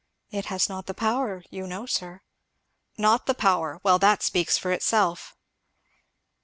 "It has not the power, you know, sir." "Not the power! well, that speaks for itself."